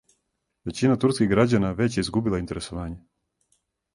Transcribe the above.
Већина турских грађана већ је изгубила интересовање.